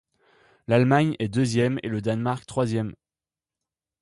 L’Allemagne est deuxième et le Danemark troisième.